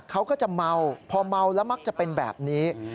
เขาก็จะเมาพอเมาแล้วมักจะเป็นแบบนี้